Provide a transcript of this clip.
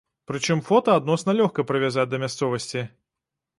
Прычым фота адносна лёгка прывязаць да мясцовасці.